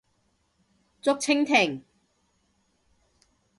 竹蜻蜓